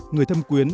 người thâm quyến